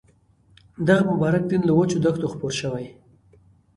دغه مبارک دین له وچو دښتو خپور شوی.